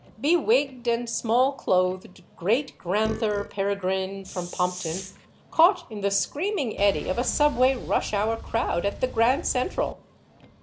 Bewigged and small clothed Great gran* ther Peregrine, from Pompton, caught in the screaming eddy of a subway rush hour crowd at the Grand Central!